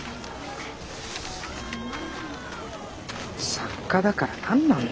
作家だから何なんだ。